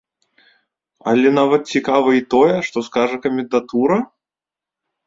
Але нават цікава і тое, што скажа камендатура?